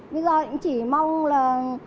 bây giờ cũng chỉ mong là